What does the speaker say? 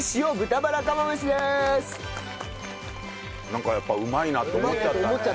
なんかやっぱうまいなと思っちゃったね。